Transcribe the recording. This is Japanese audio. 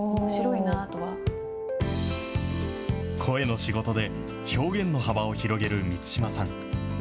声の仕事で、表現の幅を広げる満島さん。